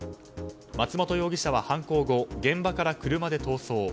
松本容疑者は犯行後現場から車で逃走。